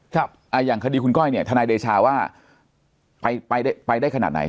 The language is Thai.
อ่าอย่างคดีคุณก้อยเนี่ยทนายเดชาว่าไปไปได้ขนาดไหน